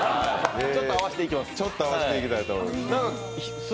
ちょっと合わせていきたいと思います。